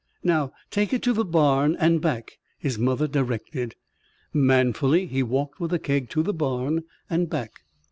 "Now take it to the barn and back," his mother directed. Manfully he walked with the keg to the barn and back.